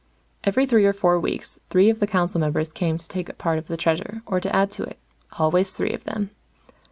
Every three or four weeks, three of the council members came to take a part of the Treasure, or to add to it. Always three of them.